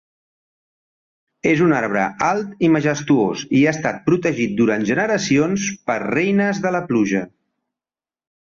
És un arbre alt i majestuós i ha estat protegit durant generacions per reines de la pluja.